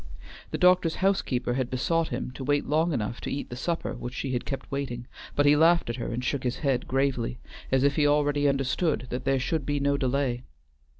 The doctor's housekeeper had besought him to wait long enough to eat the supper which she had kept waiting, but he laughed at her and shook his head gravely, as if he already understood that there should be no delay.